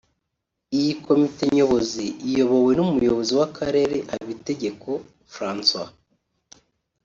Iyi komite nyobozi iyobowe n’umuyobozi w’Akarere Habitegeko Francois